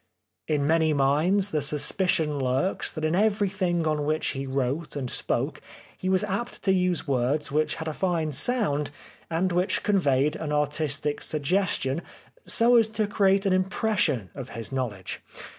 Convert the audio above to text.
In many minds the suspicion lurks that in everything on which he wrote and spoke he was apt to use words which had a fine sound and which conveyed an artistic suggestion so as to create an impression of his knowledge.